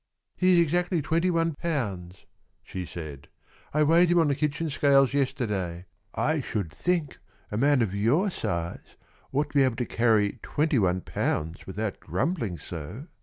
"He is exactly twenty one pounds," she said, "I weighed him on the kitchen scales yesterday. I should think a man of your size ought to be able to carry twenty one pounds without grumbling so."